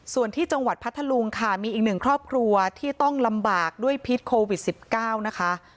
ส่วนที่จังหวัดพัทธลุงค่ะมีอีกหนึ่งครอบครัวที่ต้องลำบากด้วยพิษโควิด๑๙นะคะ